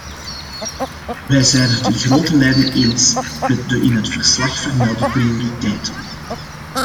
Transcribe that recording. Wij zijn het in grote lijnen eens met de in het verslag vermelde prioriteiten.